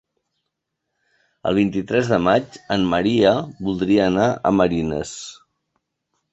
El vint-i-tres de maig en Maria voldria anar a Marines.